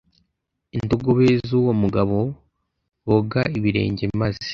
indogobe z uwo mugabo boga ibirenge maze